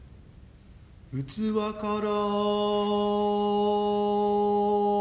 「器から」